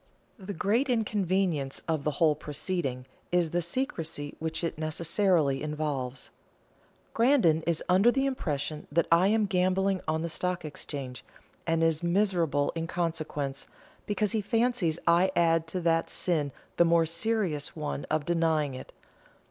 The great inconvenience of the whole proceeding is the secrecy which it necessarily involves. Grandon is under the impression that I am gambling on the Stock Exchange, and is miserable in consequence, because he fancies I add to that sin the more serious one of denying it.